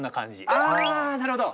ああなるほど！